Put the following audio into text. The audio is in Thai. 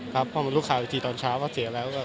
เค้ามา้รู้ข่าวทีตอนเช้าเสียแล้ว